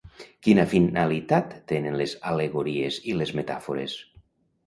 Quina finalitat tenen les al·legories i les metàfores?